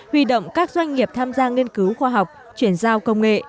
huy động các doanh nghiệp tham gia nghiên cứu khoa học chuyển giao công nghệ